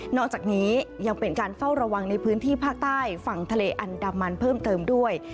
อกจากนี้ยังเป็นการเฝ้าระวังในพื้นที่ภาคใต้ฝั่งทะเลอันดามันเพิ่มเติมด้วย